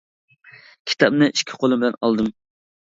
كىتابنى ئىككى قولۇم بىلەن ئالدىم.